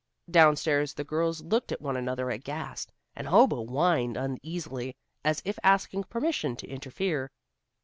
Down stairs the girls looked at one another aghast, and Hobo whined uneasily, as if asking permission to interfere.